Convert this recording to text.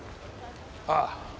ああ。